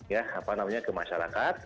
ya apa namanya ke masyarakat